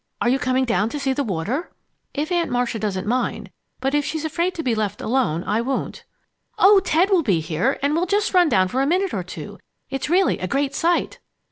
Are you coming down to see the water?" "If Aunt Marcia doesn't mind. But if she's afraid to be left alone, I won't." "Oh, Ted will be here, and we'll just run down for a minute or two. It's really a great sight!"